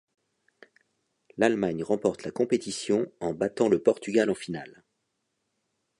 L'Allemagne remporte la compétition en battant le Portugal en finale.